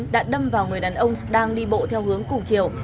đã đâm vào người đàn ông đang đi bộ theo hướng cùng chiều